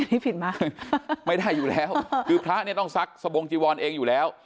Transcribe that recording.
นี่ผิดมากไม่ได้อยู่แล้วคือพระเนี่ยต้องซักสบงจีวรเองอยู่แล้ว